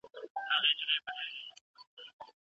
لويه جرګه به د نشه يي توکو د قاچاقبرانو د محاکمې غوښتنه کوي.